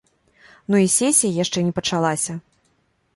Ну, і сесія яшчэ не пачалася.